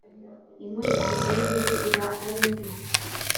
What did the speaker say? inkurikizi yibibi iba arimbi.